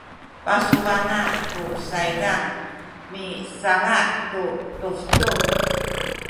pasubana’ ku saydan misanga’ tu tubtub